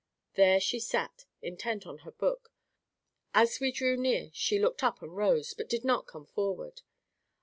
There she sat, intent on her book. As we drew near she looked up and rose, but did not come forward.